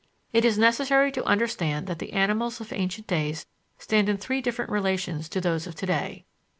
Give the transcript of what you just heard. It is necessary to understand that the animals of ancient days stand in three different relations to those of to day.